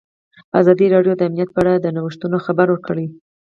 ازادي راډیو د امنیت په اړه د نوښتونو خبر ورکړی.